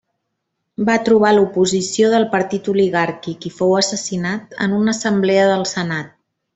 Va trobar l'oposició del partit oligàrquic i fou assassinat en una assemblea del senat.